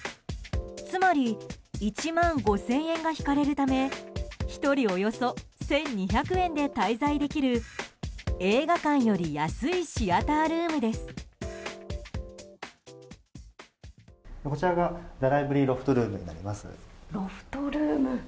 つまり１万５０００円が引かれるため１人およそ１２００円で滞在できる映画館より安いシアタールームです。